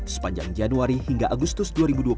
sepanjang januari hingga agustus dua ribu dua puluh